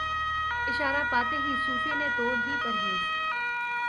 اشارہ پاتے ہی صوفی نے توڑ دی پرہیز